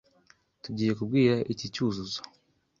Tugiye kubwira iki Cyuzuzo?